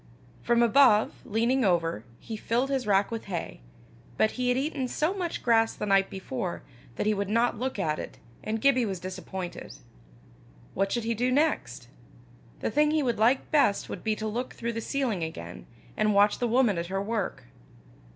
From above, leaning over, he filled his rack with hay; but he had eaten so much grass the night before, that he would not look at it, and Gibbie was disappointed. What should he do next? The thing he would like best would be to look through the ceiling again, and watch the woman at her work.